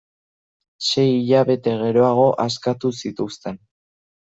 Sei hilabete geroago askatu zituzten.